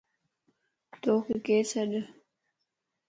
توڪ ڪير سَڏ؟